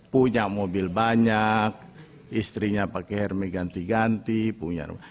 punya mobil banyak istrinya pakai herme ganti ganti punya rumah